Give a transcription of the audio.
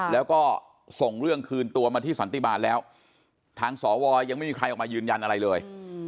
แล้วก็ส่งเรื่องคืนตัวมาที่สันติบาลแล้วทางสวยังไม่มีใครออกมายืนยันอะไรเลย